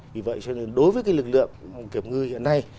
vì vậy cho nên đối với cái lực lượng kiểm ngư hiện nay